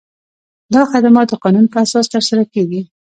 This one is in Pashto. دا خدمات د قانون په اساس ترسره کیږي.